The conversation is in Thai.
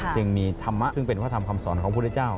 จึงมีธรรมะซึ่งเป็นวัฒนธรรมคำสอนของพุทธเจ้า